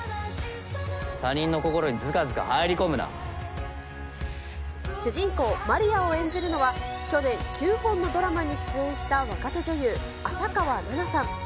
他人の心にずかずか入り込む主人公、マリアを演じるのは、去年、９本のドラマに出演した若手女優、浅川梨奈さん。